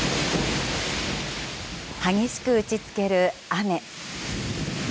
激しく打ちつける雨。